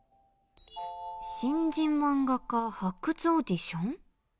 新人漫画家発掘オーディション？